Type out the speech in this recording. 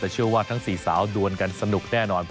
แต่เชื่อว่าทั้ง๔สาวดวนกันสนุกแน่นอน